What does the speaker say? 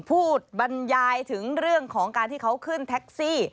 บรรยายถึงเรื่องของการที่เขาขึ้นแท็กซี่